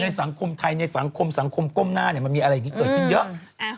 สังคมไทยในสังคมสังคมก้มหน้ามันมีอะไรอย่างนี้เกิดขึ้นเยอะ